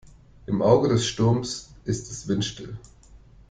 Im Auge des Sturms ist es windstill.